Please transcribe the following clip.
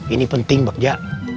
ini penting bakja